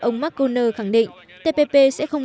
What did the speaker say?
ông mcconnell khẳng định tpp sẽ không